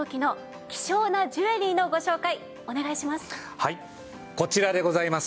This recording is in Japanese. はいこちらでございます。